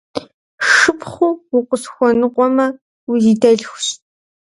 Шыпхъуу укъысхуэныкъуэмэ, узидэлъхущ.